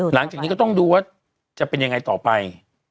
หลังจากนี้ก็ต้องดูว่าจะเป็นยังไงต่อไป